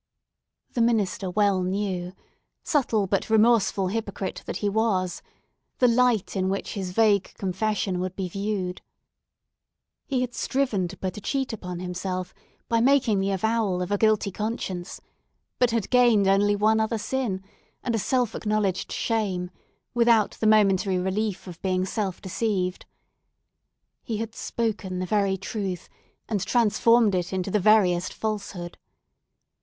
The minister well knew—subtle, but remorseful hypocrite that he was!—the light in which his vague confession would be viewed. He had striven to put a cheat upon himself by making the avowal of a guilty conscience, but had gained only one other sin, and a self acknowledged shame, without the momentary relief of being self deceived. He had spoken the very truth, and transformed it into the veriest falsehood.